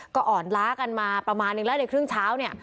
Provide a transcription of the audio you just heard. ก็อ่อนล้ากันมาประมาณนึงแล้วในครึ่งเช้าเนี่ย